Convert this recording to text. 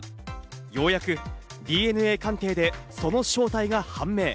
ようやくＤＮＡ鑑定で、その正体が判明。